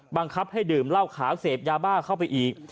บังคับให้ดื่มเหล้าขาวเสพยาบ้าเข้าไปอีก